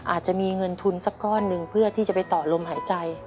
อาจจะมีเงินทุนสักก้อนหนึ่งเพื่อที่จะไปต่อลมหายใจ